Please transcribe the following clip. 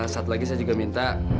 satu lagi saya juga minta